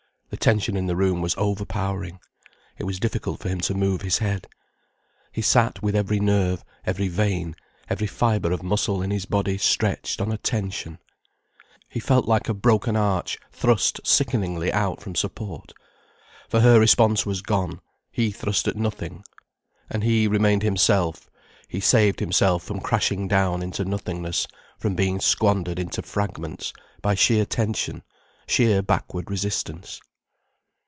The tension in the room was overpowering, it was difficult for him to move his head. He sat with every nerve, every vein, every fibre of muscle in his body stretched on a tension. He felt like a broken arch thrust sickeningly out from support. For her response was gone, he thrust at nothing. And he remained himself, he saved himself from crashing down into nothingness, from being squandered into fragments, by sheer tension, sheer backward resistance.